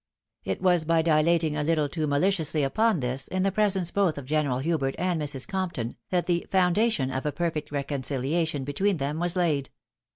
It was by dilating a httle too maliciously upon this, in the presence both of General Hubert and Mrs. Comptom, that the foundation of a perfect reconcihation between them was laid.